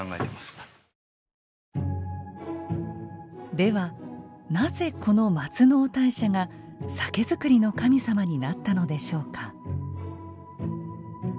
ではなぜこの松尾大社が酒造りの神様になったのでしょうか。